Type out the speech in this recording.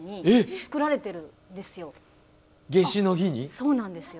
そうなんですよ。